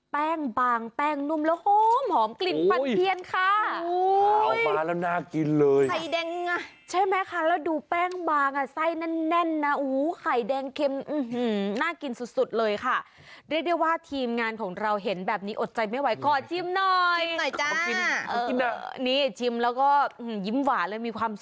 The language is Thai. แป้งบางแป้งนุ่มและหอมกลิ่นปันเพียรค่ะ